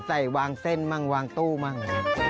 ใส่วางเส้นบ้างวางตู้บ้าง